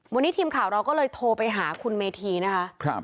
วันนี้ทีมข่าวเราก็เลยโทรไปหาคุณเมธีนะคะ